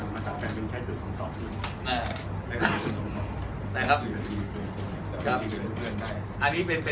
ม๑๖มีกลิ่น